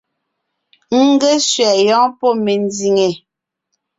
N ge sẅɛ yɔ́ɔn pɔ́ mendìŋe!